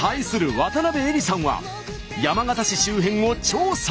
渡辺えりさんは山形市周辺を調査！